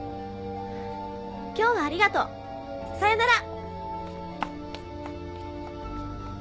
今日はありがとうさよなら。